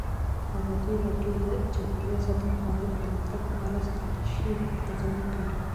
ازادي راډیو د چاپیریال ساتنه په اړه د پرمختګ لپاره د ستراتیژۍ ارزونه کړې.